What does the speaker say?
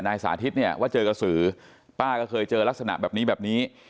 สาธิตเนี่ยว่าเจอกระสือป้าก็เคยเจอลักษณะแบบนี้แบบนี้